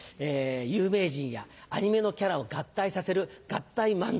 有名人やアニメのキャラを合体させる合体漫才。